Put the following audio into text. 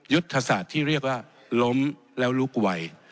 ยุทธศาสตร์ที่เรียกว่าล้มแล้วลุกไว